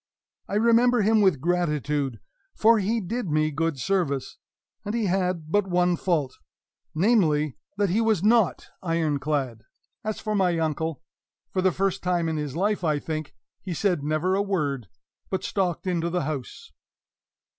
I remember him with gratitude, for he did me good service, and he had but one fault, namely, that he was not iron clad! As for my uncle, for the first time in his life, I think, he said never a word, but stalked into the house.